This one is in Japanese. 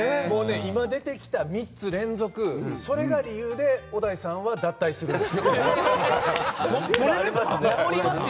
今、出てきた３つ連続それが理由で小田井さんは脱退するんです。